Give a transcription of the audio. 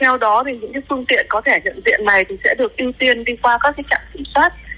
theo đó thì những cái phương tiện có thể nhận diện này thì sẽ được ưu tiên đi qua các cái trạm kiểm soát